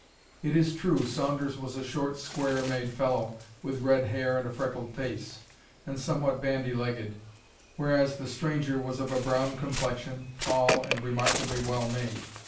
It is true, Saunders was a short square made fellow, with red hair and a freckled face, and somewhat bandy legged, whereas the stranger was of a brown complexion, tall, and remarkably well made.